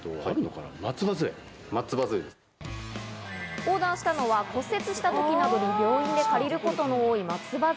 オーダーしたのは骨折した時などに病院で借りることの多い松葉杖。